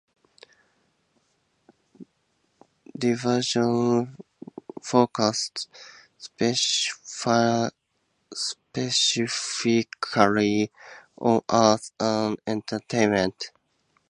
Diversions focused specifically on Arts and Entertainment.